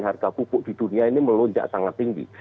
harga pupuk di dunia ini melonjak sangat tinggi